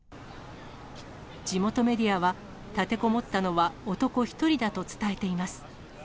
地元メディアは、立てこもったのは男１人だと伝えています。